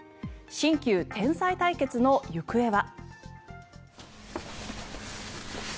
新旧天才対決の行方は。